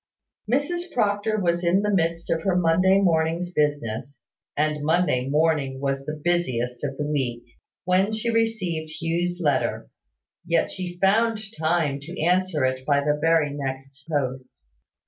Mrs Proctor was in the midst of her Monday morning's business (and Monday morning was the busiest of the week), when she received Hugh's letter. Yet she found time to answer it by the very next post.